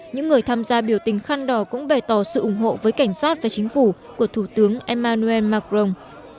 những người tham gia biểu tình khăn đỏ cũng bày tỏ sự ủng hộ với cảnh sát và chính phủ của thủ tướng emmanuel macron